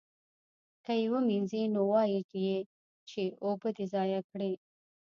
که یې ومینځي نو وایي یې چې اوبه دې ضایع کړې.